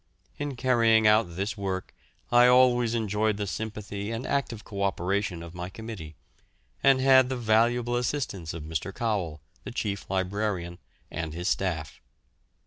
In carrying out this work I always enjoyed the sympathy and active co operation of my committee, and had the valuable assistance of Mr. Cowell, the chief librarian, and his staff.